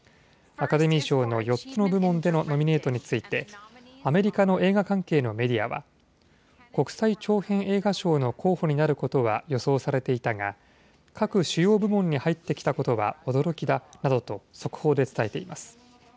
アカデミー賞の４つの部門でのノミネートについて、アメリカの映画関係のメディアは、国際長編映画賞の候補になることは予想されていたが、各主要部門に入ってきたことは驚きだなどと、速報で伝えています。